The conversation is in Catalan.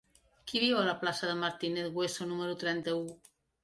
Qui viu a la plaça de Martínez Hueso número trenta-u?